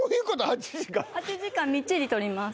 ８時間８時間みっちり撮ります